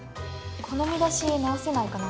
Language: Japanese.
この見出し直せないかな？